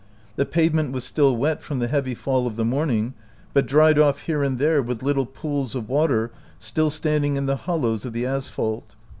The pave ment was still wet from the heavy fall of the morning, but dried off here and there with little pools of water still standing in the hollows of the asphalt.